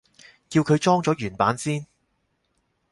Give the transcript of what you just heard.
叫佢裝咗原版先